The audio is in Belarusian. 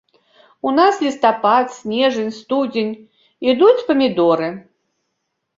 У нас лістапад, снежань, студзень ідуць памідоры.